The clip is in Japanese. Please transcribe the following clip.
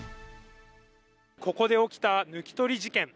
ここで起きた抜き取り事件。